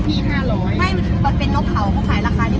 ใช่เค้าเป็นใกล้ซื้อ